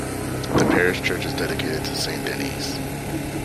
The parish church is dedicated to Saint Denys.